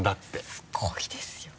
すごいですよ。